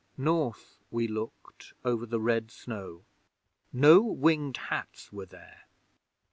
'North we looked over the red snow. No Winged Hats were there.